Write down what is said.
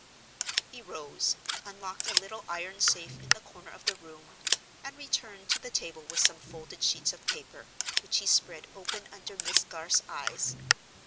He rose; unlocked a little iron safe in the corner of the room; and returned to the table with some folded sheets of paper, which he spread open under Miss Garth's eyes.